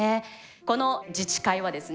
この自治会はですね